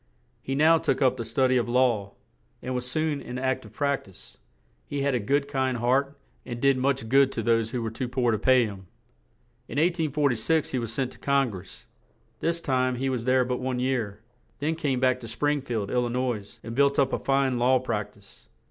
He now took up the stud y of law, and was soon in ac tive prac tise; he had a good, kind heart, and did much good to those who were too poor to pay him. In 1846 he was sent to Con gress; this time he was there but one year; then came back to Spring field, Il li nois, and built up a fine law prac tise.